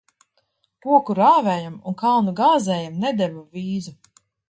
Koku rāvējam un kalnu gāzējam nedeva vīzu.